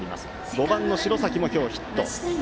５番の白崎も今日、ヒット。